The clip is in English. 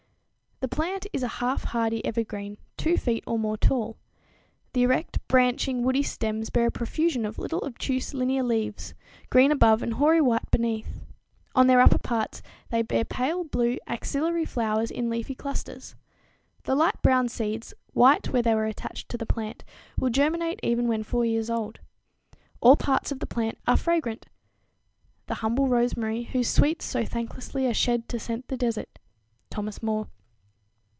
_ The plant is a half hardy evergreen, 2 feet or more tall. The erect, branching, woody stems bear a profusion of little obtuse, linear leaves, green above and hoary white beneath. On their upper parts they bear pale blue, axillary flowers in leafy clusters. The light brown seeds, white where they were attached to the plant, will germinate even when four years old. All parts of the plant are fragrant "the humble rosemary whose sweets so thanklessly are shed to scent the desert" (Thomas Moore).